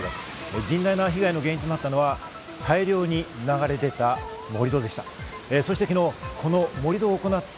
甚大な被害の原因となったのは大量に流れ出た盛り土でした。